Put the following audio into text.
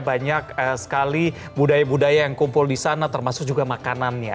banyak sekali budaya budaya yang kumpul di sana termasuk juga makanannya